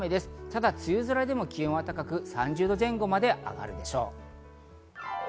ただ、梅雨空でも気温は高く、３０度前後まで上がるでしょう。